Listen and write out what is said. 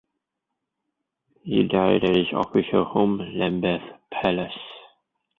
He died at his official home, Lambeth Palace.